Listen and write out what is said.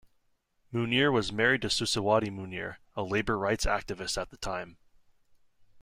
Munir was married to Suciwati Munir, a labour rights activist at the time.